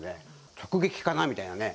直撃かなみたいなね。